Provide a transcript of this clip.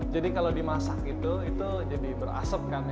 jadi kalau dimasak itu itu jadi berasap kan